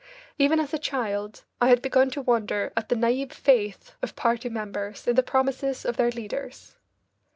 Even as a child I had begun to wonder at the naïve faith of party members in the promises of their leaders.